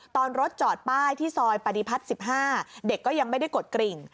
ตอนรถจอดป้ายที่ซอยปฏิพัฒน์๑๕เด็กก็ยังไม่ได้กดกริ่ง